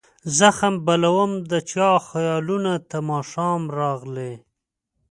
زخم بلوم د چا خیالونو ته ماښام راغلي